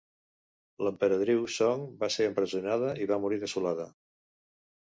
L'emperadriu Song va ser empresonada i va morir desolada.